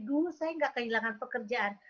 dulu saya nggak kehilangan pekerjaan